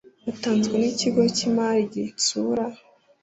Yatanzwe n ikigo cy imari gitsura